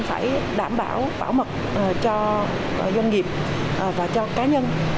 phải đảm bảo bảo mật cho doanh nghiệp và cho cá nhân